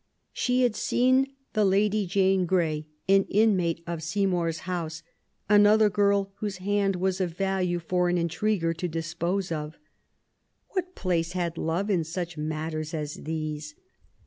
She had seen the Lady Jane Grey, an inmate of Seymour's house, another girl whose hand was of value for an intriguer to dispose of. What place had love in such matters as these